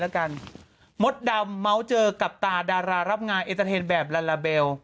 แล้วกันมตดดำเมาท์เจอกับตาดารารับงานแบบลาลาเบล